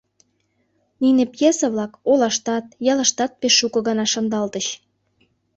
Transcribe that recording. Нине пьеса-влак олаштат, ялыштат пеш шуко гына шындалтыч.